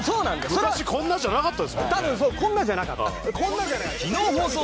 多分そうこんなじゃなかった。